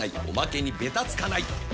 おまけにベタつかない！